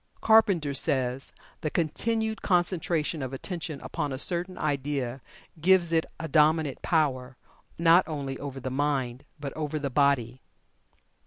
Carpenter says: "The continued concentration of attention upon a certain idea gives it a dominant power, not only over the mind, but over the body."